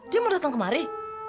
dia mau datang kemari